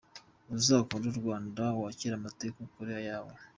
Uzakunde u Rwanda, wakire amateka ukore ayawe.